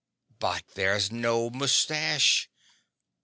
"But there's no mustache!"